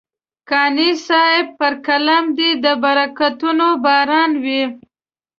قانع صاحب پر قلم دې د برکتونو باران وي.